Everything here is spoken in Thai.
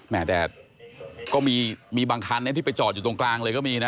แต่ก็มีบางคันที่ไปจอดอยู่ตรงกลางเลยก็มีนะ